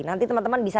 nanti teman teman bisa